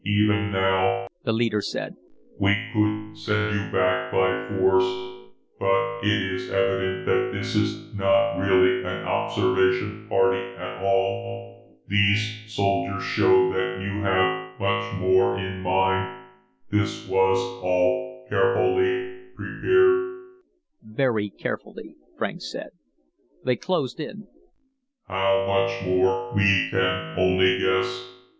"Even now," the leader said, "we could send you back by force. But it is evident that this is not really an observation party at all. These soldiers show that you have much more in mind; this was all carefully prepared." "Very carefully," Franks said. They closed in. "How much more, we can only guess.